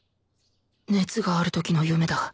熱がある時の夢だ